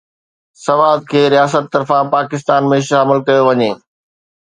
سوات کي رياست طرفان پاڪستان ۾ شامل ڪيو وڃي